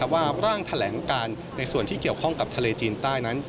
ว่าร่างแถลงการในส่วนที่เกี่ยวข้องกับทะเลจีนใต้นั้น